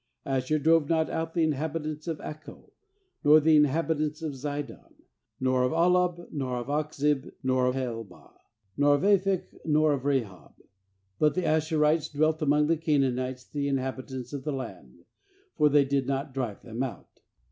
31Asher drove not out the inhabit ants of Acco, nor the inhabitants of Zidon, nor of Ahlab, nor of Achzib, nor of Helbah, nor of Aphik, nor of Rehob; ^but the Asherites dwelt among the Canaanites, the inhabitants of the land; for they did not drive them out.